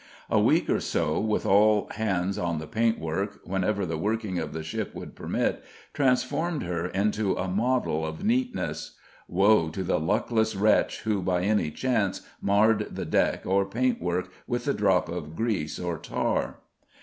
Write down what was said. A week or so, with all hands on the paintwork, whenever the working of the ship would permit, transformed her into a model of neatness. Woe to the luckless wretch who by any chance marred the deck or paintwork with a drop of grease or tar.